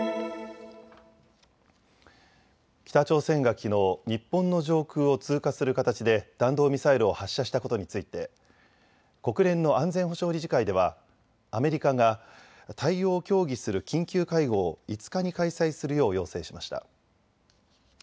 北朝鮮がきのう、日本の上空を通過する形で弾道ミサイルを発射したことについて国連の安全保障理事会ではアメリカが対応を協議する緊急会合を５日に開催するよう要請しました。